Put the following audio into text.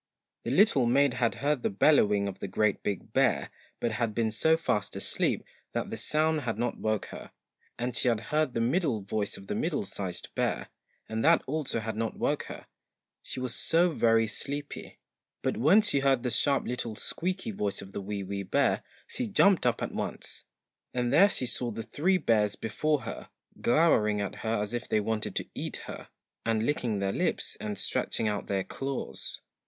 1 The little maid had heard the bellowing of the GREAT BIG BEAR, but had been so fast asleep that the sound had not woke her; and she had heard the middle voice of the MIDDLE SIZED BEAR, and that also had not woke her, she was so very sleepy ; but when she heard the sharp little squeaky voice of the WEE WEE BEAR, she jumped up at once, and there she saw the three bears before her, glowering at her as if they wanted to eat her, and licking their lips, and stretching out their claws.